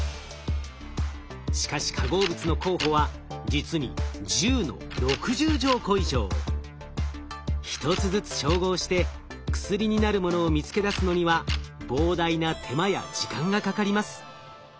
しかし化合物の候補は実に一つずつ照合して薬になるものを見つけ出すのには膨大な手間や時間がかかります。